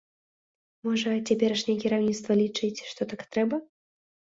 Можа, цяперашняе кіраўніцтва лічыць, што так трэба?